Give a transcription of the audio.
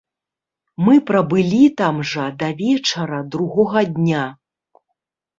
Мы прабылі там жа да вечара другога дня.